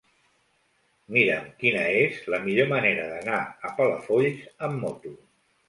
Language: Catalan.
Mira'm quina és la millor manera d'anar a Palafolls amb moto.